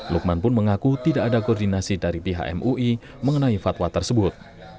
lukman pun mengaku tidak ada koordinasi dari pihak mui mengenai fatwa tersebut